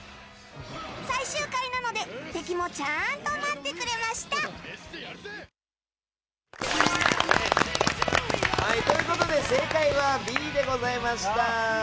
最終回なので敵もちゃんと待ってくれました！ということで正解はＢでございました。